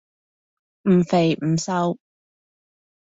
唔肥唔瘦